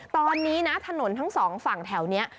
ตอนนี้นะถนนทั้งสองฝั่งแถวนี้